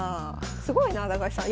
すごいなあ高橋さん。